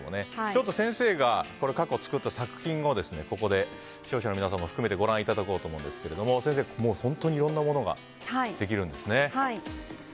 ちょっと先生が過去作った作品をここで視聴者の皆さんも含めてご覧いただこうと思うんですが先生、本当にいろんなものができるんですね。